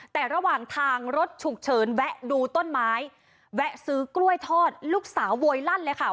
แต่ระหว่างทางรถฉุกเฉินแวะดูต้นไม้แวะซื้อกล้วยทอดลูกสาวโวยลั่นเลยค่ะ